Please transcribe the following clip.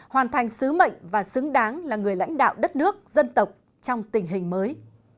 hoàn thành sứ mệnh và xứng đáng là người lãnh đạo đất nước dân tộc trong tình hình mới